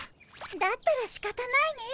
だったらしかたないね。